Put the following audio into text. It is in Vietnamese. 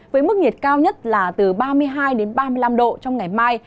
với mức nhiệt cao nhất là từ ba mươi hai đến ba mươi năm độ trong ngày mai